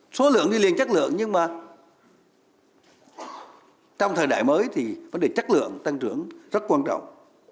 số lượng đi liền chất lượng nhưng mà trong thời đại mới thì vấn đề chất lượng tăng trưởng rất quan trọng